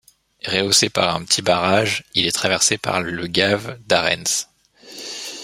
Rehaussé par un petit barrage, il est traversé par le gave d'Arrens.